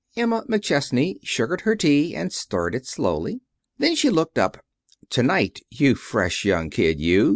Emma McChesney sugared her tea, and stirred it, slowly. Then she looked up. "To night, you fresh young kid, you!"